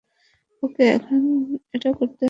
ওকে, এখন এটা করতেই হবে।